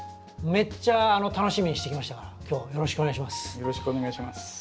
めっちゃ楽しみにして来ましたから今日よろしくお願いします。